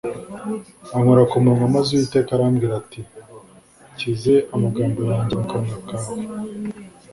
Ankora ku munwa maze Uwiteka arambwira ati Nshyize amagambo yanjye mu kanwa kawe.